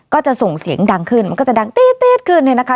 ก็จะส่งเสียงดังขึ้นมันก็จะดังตี๊ดขึ้นเนี่ยนะคะ